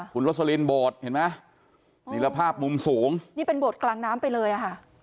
คุณโรสลินโบสถ์เห็นไหมนี่แหละภาพมุมสูงนี่เป็นโบสถ์กลางน้ำไปเลยอ่ะค่ะ